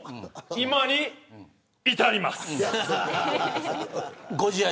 今に至ります。